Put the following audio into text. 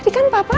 tidak ada apa apa